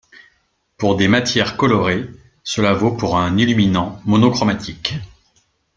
Pour des matières colorées, cela vaut pour un illuminant monochromatique.